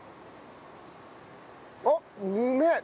あっうめえ！